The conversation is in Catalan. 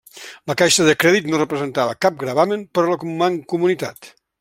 La Caixa de Crèdit no representava cap gravamen per a la Mancomunitat.